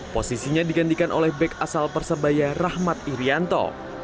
posisinya digantikan oleh back asal persebaya rahmat irianto